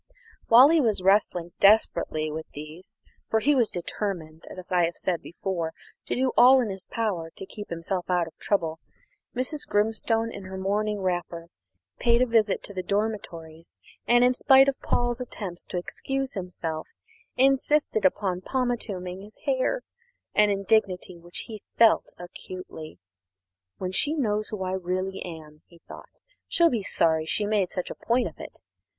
While he was wrestling desperately with these, for he was determined, as I have said before, to do all in his power to keep himself out of trouble, Mrs. Grimstone, in her morning wrapper, paid a visit to the dormitories and, in spite of all Paul's attempts to excuse himself, insisted upon pomatuming his hair an indignity which he felt acutely. "When she knows who I really am," he thought, "she'll be sorry she made such a point of it.